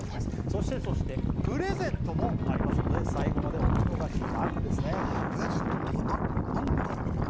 そしてそしてプレゼントもありますので最後までお見逃しなくですねプレゼントって何もらえるんですか？